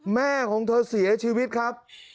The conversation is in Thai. แม่ของเธอเสียชีวิตครับ